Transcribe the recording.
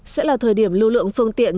sẽ là thời điểm lưu lượng phương tiện